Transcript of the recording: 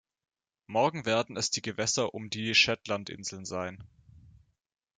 Morgen werden es die Gewässer um die Shetlandinseln sein.